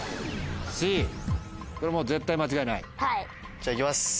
じゃあいきます